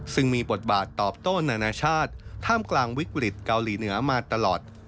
ซึ่งมีบทบาทตอบโต้นานาชาติท่ามกลางวิกฤตเกาหลีเหนือมาตลอด